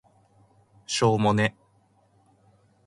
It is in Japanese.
しょーもね